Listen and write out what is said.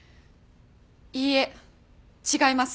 いいえ違います。